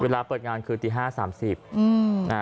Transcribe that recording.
เวลาเปิดงานคือตี๕๓๐